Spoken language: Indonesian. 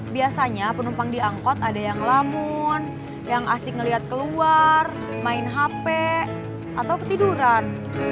biasanya penumpang di angkot ada yang lamun yang asik ngeliat keluar main hp atau ketiduran